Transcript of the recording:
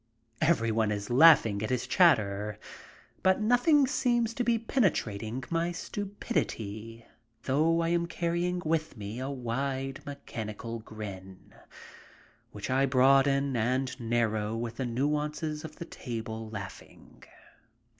Everyone is laughing at his chatter, but nothing seems to be penetrating my stupidity, though I am carrying with me a wide mechanical grin, which I broaden and narrow with the nuances of the table laughing.